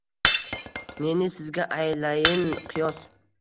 Neni sizga aylayin qiyos